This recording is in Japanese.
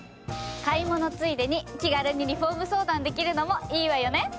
買い物ついでに気軽にリフォーム相談できるのもいいわよね。